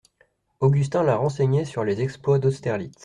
Augustin la renseignait sur les exploits d'Austerlitz.